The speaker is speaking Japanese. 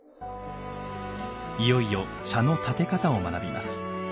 いよいよ茶の点て方を学びます。